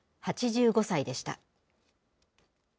８５歳でした。